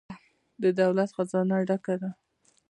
د دولت خزانه ډکه ده؟